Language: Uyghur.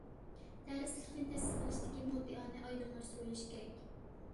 دەرسلىكنى تەسىس قىلىشتىكى مۇددىئانى ئايدىڭلاشتۇرۇۋېلىش كېرەك.